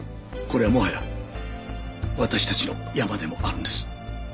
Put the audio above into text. これはもはや私たちのヤマでもあるんです。